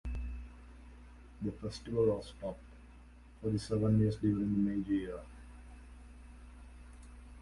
The festival was stopped for seven years during the Meiji era.